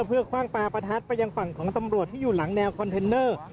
เพื่อคว่างปลาประทัดไปยังฝั่งของตำรวจที่อยู่หลังแนวคอนเทนเนอร์